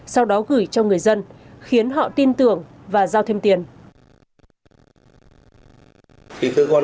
sau đó gửi cho người dân khiến họ tin tưởng và giao thêm tiền